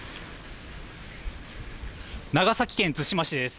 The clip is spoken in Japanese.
長崎県対馬市です。